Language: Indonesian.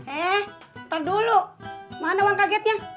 eh ntar dulu mana bang kagetnya